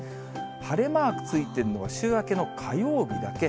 晴れマークついているのが、週明けの火曜日だけ。